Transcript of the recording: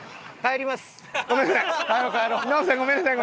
ごめんなさい。